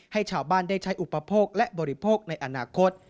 ให้ชาวบ้านได้ใช้อุปโภคและบริโภคในอนาคต